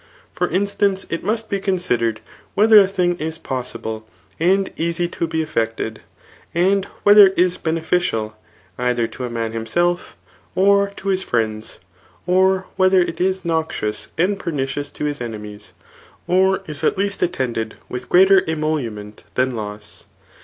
For instance, it must be considered whether a thing is possible, and easy to be effected, and whether it is bene ficial either to a man himself, or to his friends; or whether it is noxious and pernicious to his enemies, or is at least attended with greater emolument than loss.